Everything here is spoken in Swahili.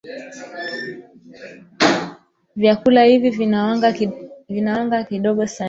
vyakula hivi vina wanga kidogo sana